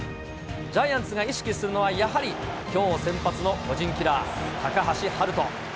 ジャイアンツが意識するのは、やはりきょう先発の巨人キラー、高橋遥人。